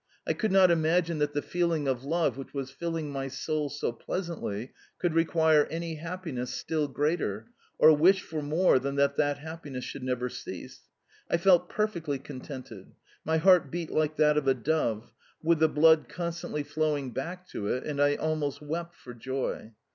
I could not imagine that the feeling of love which was filling my soul so pleasantly could require any happiness still greater, or wish for more than that that happiness should never cease. I felt perfectly contented. My heart beat like that of a dove, with the blood constantly flowing back to it, and I almost wept for joy.